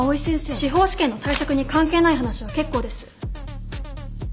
司法試験の対策に関係ない話は結構です。